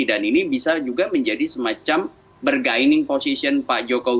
dan ini bisa juga menjadi semacam bergaining position pak jokowi